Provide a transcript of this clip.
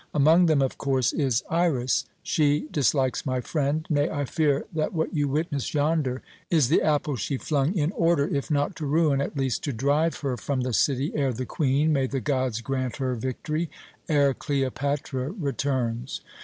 Among them, of course, is Iras. She dislikes my friend; nay, I fear that what you witness yonder is the apple she flung in order, if not to ruin, at least to drive her from the city, ere the Queen may the gods grant her victory! ere Cleopatra returns.